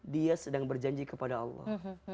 dia sedang berjanji kepada allah